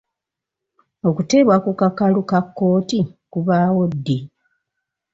Okuteebwa ku kakalu ka kkooti kubaawo ddi?